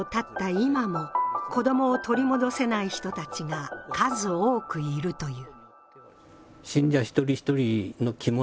今も子供を取り戻せない人たちが数多くいるという。